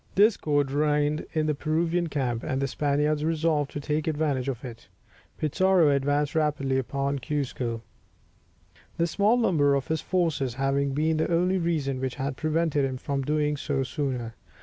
Discord reigned in the Peruvian camp, and the Spaniards resolved to take advantage of it. Pizarro advanced rapidly upon Cuzco, the small number of his forces having been the only reason which had prevented him from doing so sooner.